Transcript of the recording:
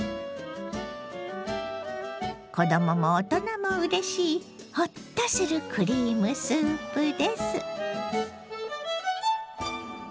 子どもも大人もうれしいホッとするクリームスープです。